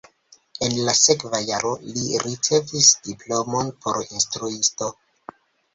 En la sekva jaro li ricevis diplomon por instruisto.